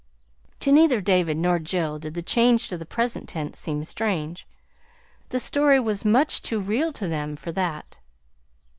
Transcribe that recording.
To neither David nor Jill did the change to the present tense seem strange. The story was much too real to them for that.